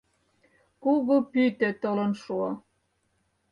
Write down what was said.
Кугу пӱтӧ толын шуо.